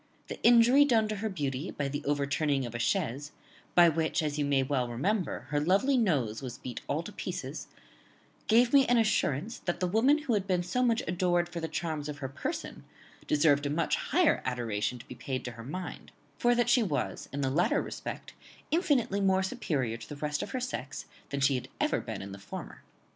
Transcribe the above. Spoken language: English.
The injury done to her beauty by the overturning of a chaise, by which, as you may well remember, her lovely nose was beat all to pieces, gave me an assurance that the woman who had been so much adored for the charms of her person deserved a much higher adoration to be paid to her mind; for that she was in the latter respect infinitely more superior to the rest of her sex than she had ever been in the former."